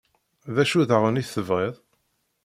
D acu daɣen i tebɣiḍ?